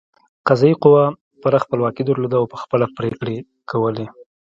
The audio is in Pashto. قضايي قوه پوره خپلواکي درلوده او په خپله پرېکړې کولې.